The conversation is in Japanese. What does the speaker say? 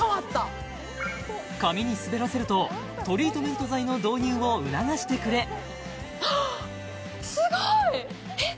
髪に滑らせるとトリートメント剤の導入を促してくれえっ